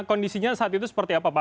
kondisinya saat itu seperti apa pak